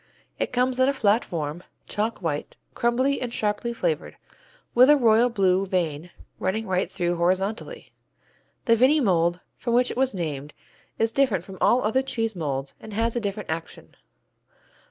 It comes in a flat form, chalk white, crumbly and sharply flavored, with a "royal Blue" vein running right through horizontally. The Vinny mold, from which it was named, is different from all other cheese molds and has a different action.